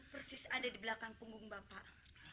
persis ada di belakang punggung bapak